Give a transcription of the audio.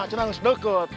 kenapa tidak dekat